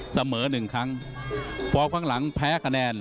เสมอหนึ่งครั้งฟอร์มข้างหลังแพ้คะแนน